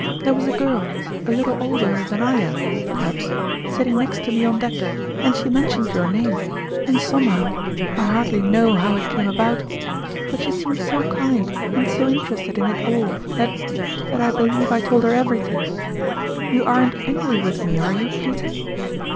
" There was a girl, a little older than I am, per haps, sitting next to me on deck, and she men tioned your name, and somehow I hardly know how it came about but she seemed so kind, and so interested in it all, that that I believe I told her everything. ... You aren't angry with me, are you, Peter